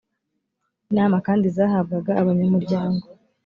inama kandi zahabwaga abanyamuryango